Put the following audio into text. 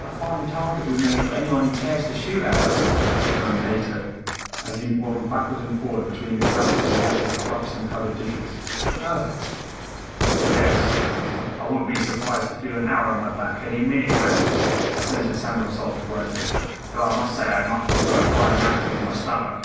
"A fine target we make for anyone who cares to shoot at us," moaned Ato, as he waddled backward and forward between the cabin and galley with cups and covered dishes. "Ugh!" "Yes, I wouldn't be surprised to feel an arrow in my back any minute now," assented Samuel Salt brightly, "though I must say I'd much prefer a fried mackerel in my stomach."